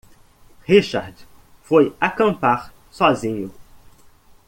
Richard foi acampar sozinho.